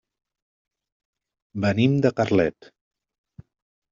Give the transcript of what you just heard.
Venim de Carlet.